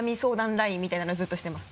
ＬＩＮＥみたいなのずっとしてます。